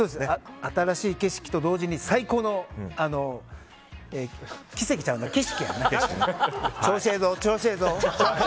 新しい景色と同時に最高の奇跡ちゃうな、景色。